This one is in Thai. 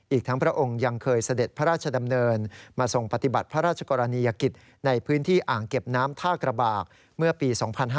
อีกทั้งพระองค์ยังเคยเสด็จพระราชดำเนินมาทรงปฏิบัติพระราชกรณียกิจในพื้นที่อ่างเก็บน้ำท่ากระบากเมื่อปี๒๕๕๙